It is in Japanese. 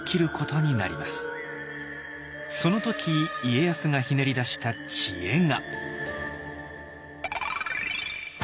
その時家康がひねり出した「知恵」が。